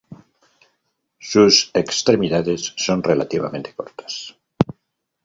Sus extremidades son relativamente cortas.